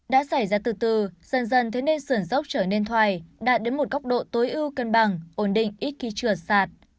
đã xảy ra từ từ dần dần thế nên sườn dốc trở nên thoài đạt đến một góc độ tối ưu cân bằng ổn định ít khi trượt sạt